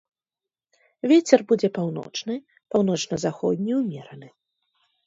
Вецер будзе паўночны, паўночна-заходні ўмераны.